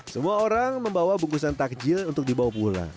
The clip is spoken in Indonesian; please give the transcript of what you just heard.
semua orang membawa bungkusan takjil untuk dibawa pulang